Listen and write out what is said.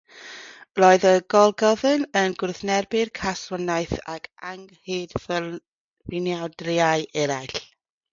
Roedd y golygyddion yn gwrthwynebu caethwasiaeth ac anghyfiawnderau eraill.